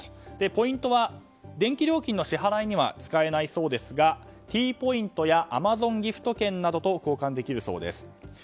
ポイントは電気料金の支払いには使えないそうですがＴポイントやアマゾンギフトカードなどと交換できるそうです。